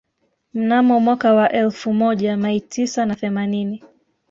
Mnamo mwaka wa elfu moja mai tisa na themanini